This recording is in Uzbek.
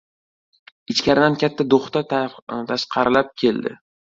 Ichkaridan katta do‘xtir tashqarilab keldi.